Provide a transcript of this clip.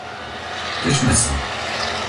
Tešme sa!